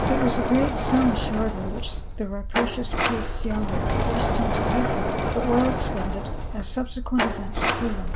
It was a great sum assuredly which the rapacious priests yonder had forced him to pay for them — but well expended, as subsequent events had proven.